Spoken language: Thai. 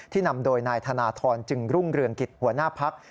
นำโดยนายธนทรจึงรุ่งเรืองกิจหัวหน้าพัก